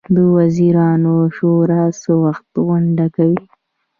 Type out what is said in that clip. د وزیرانو شورا څه وخت غونډه کوي؟